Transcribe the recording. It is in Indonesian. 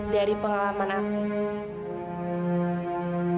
dari pengalaman aku